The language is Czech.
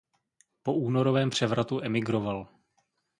Po únorovém převratu emigroval.